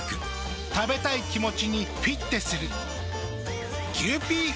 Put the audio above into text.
食べたい気持ちにフィッテする。